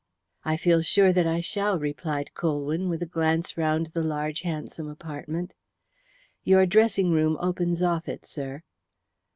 "I feel sure that I shall," replied Colwyn, with a glance round the large handsome apartment. "Your dressing room opens off it, sir."